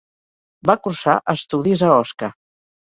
Va cursar estudis a Osca.